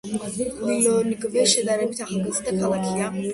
ლილონგვე შედარებით ახალგაზრდა ქალაქია.